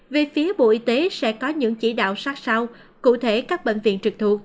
về phía bộ y tế sẽ có những chỉ đạo sát sao cụ thể các bệnh viện trực thuộc